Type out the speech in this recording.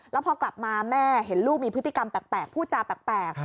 แล้วพอกลับมาแม่เห็นลูกมีพฤติกรรมแปลกพูดจาแปลก